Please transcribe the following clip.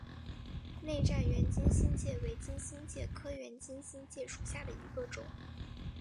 内战圆金星介为金星介科圆金星介属下的一个种。